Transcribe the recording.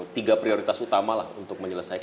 tiga prioritas utama lah untuk menyelesaikan